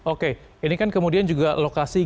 oke ini kan kemudian juga lokasi